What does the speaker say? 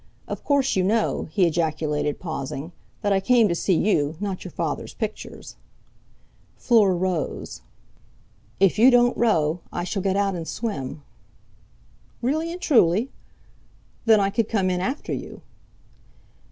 "Of course, you know," he ejaculated, pausing, "that I came to see you, not your father's pictures." Fleur rose. "If you don't row, I shall get out and swim." "Really and truly? Then I could come in after you."